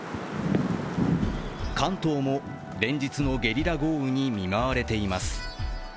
関東も連日のゲリラ豪雨に見舞われています。